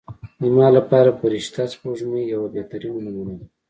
زما لپاره فرشته سپوږمۍ یوه بهترینه نمونه ده.